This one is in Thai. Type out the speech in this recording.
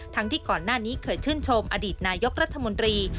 ที่ก่อนหน้านี้เคยชื่นชมอดีตนายกรัฐมนตรี